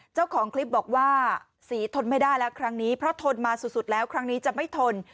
เจ้าของคลิปบอกว่าสีทนไม่ได้แล้วครั้งนี้เพราะทนมาสุดแล้วครั้งนี้จะไม่ทน